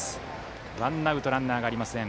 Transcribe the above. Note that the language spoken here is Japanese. ワンアウトランナーがありません。